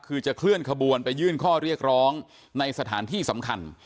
คือจะเคลื่อนขบวนไปยื่นข้อเรียกร้องในสถานที่สำคัญ